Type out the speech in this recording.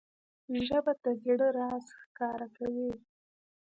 ژبه د زړه راز ښکاره کوي